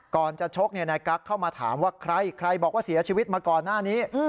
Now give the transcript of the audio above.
ก่อนจะชกนายกั๊กเข้ามาถามว่าใครใครบอกว่าเสียชีวิตมาก่อนหน้านี้